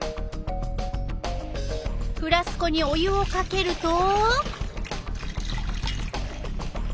フラスコにお湯をかけると。